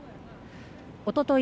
おととい